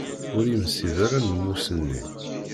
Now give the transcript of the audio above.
Ur yemsid ara lmus-nni.